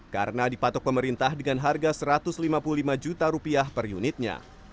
karena dipatok pemerintah dengan harga rp satu ratus lima puluh lima juta per unitnya